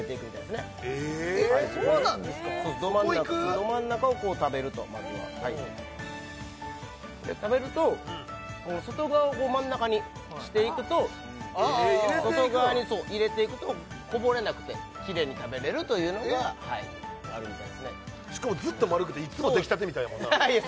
ど真ん中をこう食べるとまずは食べるとこの外側をこう真ん中にしていくと入れていくんや外側に入れていくとこぼれなくてキレイに食べれるというのがあるみたいですねしかもずっと丸くていつもできたてみたいやもんないや